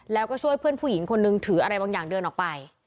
แล้วก็ช่วยเพื่อนผู้หญิงคนนึงถืออะไรบางอย่างเดินออกไป